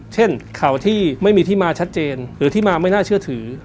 เช่นข่าวที่ไม่มีที่มาชัดเจนหรือที่มาไม่น่าเชื่อถือ